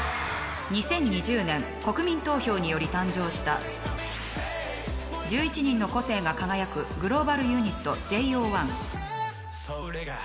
２０２０年国民投票により誕生した１１人の個性が輝くグローバルユニットＪＯ１。